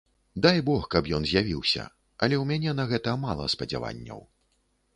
Дай бог, каб ён з'явіўся, але ў мяне на гэта мала спадзяванняў.